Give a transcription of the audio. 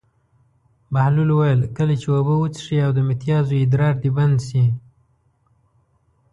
بهلول وویل: کله چې اوبه وڅښې او د متیازو ادرار دې بند شي.